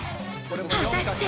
果たして。